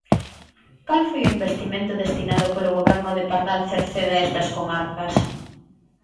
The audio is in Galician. ¿Cal foi o investimento destinado polo Goberno de Pardal Cerceda a estas comarcas?